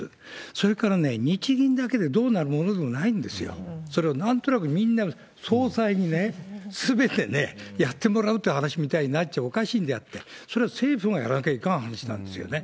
それから、日銀だけでどうなるものでもないんですよ。それをなんとなくみんなが総裁にね、すべてやってもらうという話みたいになっちゃおかしいんであって、それは政府がやらなきゃいかん話なんですよね。